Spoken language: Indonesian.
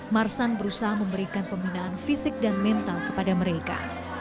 marsan berusaha memberikan pembinaan fisik dan mental kepada mereka